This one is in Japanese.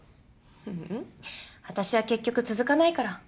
ううん私は結局続かないから。